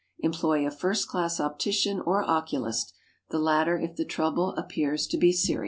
Employ a first class optician or oculist, the latter if the trouble appears to be serious.